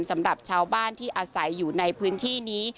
สำหรับชาวบ้านที่อาศัยอยู่ในพื้นที่นี้